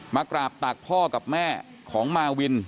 มากราบตักพ่อกับแม่ของมาวิน